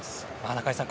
中居さん